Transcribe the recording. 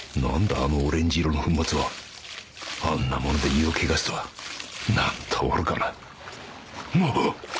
あのオレンジ色の粉末はあんな物で湯を汚すとはなんと愚かななっ！